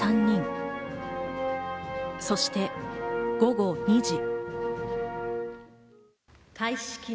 そして午後２時。